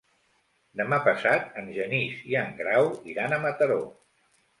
Demà passat en Genís i en Grau iran a Mataró.